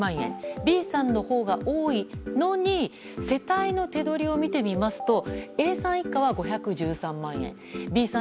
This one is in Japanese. Ｂさんのほうが多いのに世帯の手取りを見てみますとＡさん一家は５１３万円Ｂさん